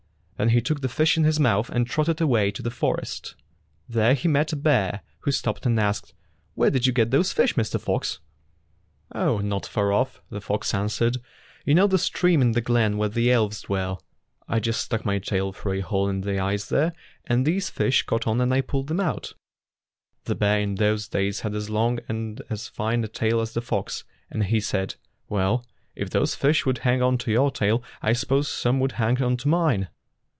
Then he took the fish in his mouth and trotted away to the forest. There he met a bear who stopped and asked, "Where did you get those fish, Mr. Fox.^'' "Oh! not far off,'' the fox answered. "You know the stream in the glen where the elves dwell. I just stuck my tail through a hole in the ice there, and these fish caught on and I pulled them out." The bear in those days had as long and as fine a tail as the fox, and he said, "Well, if those fish would hang on to your tail, I suppose some would hang on to mine."